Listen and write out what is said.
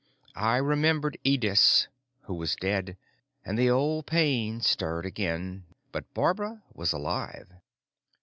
I remembered Ydis, who was dead, and the old pain stirred again. But Barbara was alive.